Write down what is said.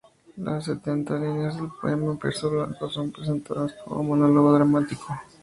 Las setenta líneas del poema en verso blanco son presentadas como un monólogo dramático.